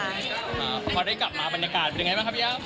พอได้กลับมาบรรยากาศเป็นยังไงบ้างครับพี่ยะ